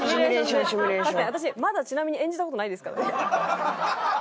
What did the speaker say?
私まだちなみに演じた事ないですからね。